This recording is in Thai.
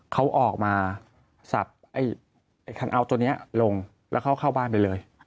เขาออกมาสับไอ้คันเอาท์ตัวนี้ลงแล้วเขาเข้าบ้านไปเลย